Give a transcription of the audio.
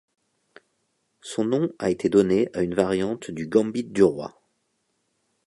Son nom a été donné à une variante du gambit du roi.